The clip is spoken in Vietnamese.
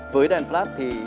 với đèn flash thì